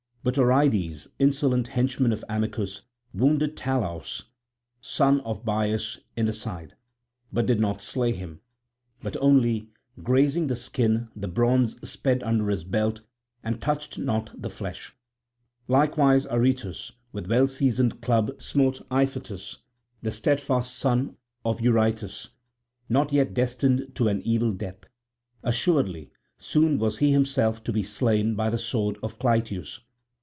But Oreides, insolent henchman of Amycus, wounded Talaus son of Bias in the side, but did not slay him, but only grazing the skin the bronze sped under his belt and touched not the flesh. Likewise Aretus with well seasoned club smote Iphitus, the steadfast son of Eurytus, not yet destined to an evil death; assuredly soon was he himself to be slain by the sword of Clytius.